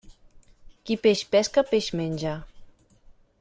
Qui peix pesca, peix menja.